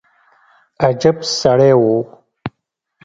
عجب سړى و.